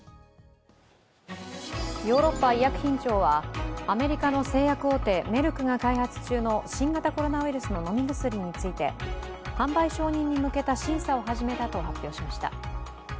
ヨーロッパ医薬品庁はアメリカの製薬大手メルクが開発中の新型コロナウイルスの飲み薬について販売承認に向けた審査を始めたと発表しました。